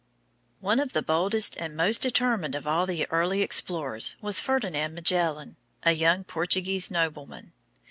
One of the boldest and most determined of all the early explorers was Ferdinand Magellan, a young Portuguese nobleman.